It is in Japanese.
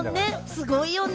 すごいね。